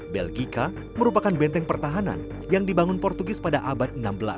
belgika merupakan benteng pertahanan yang dibangun portugis pada abad enam belas